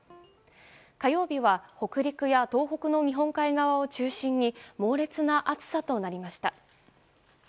火曜日は北陸や東北の日本海側を中心に猛烈な暑さとなりました。